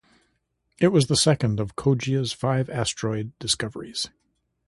It was the second of Coggia's five asteroid discoveries.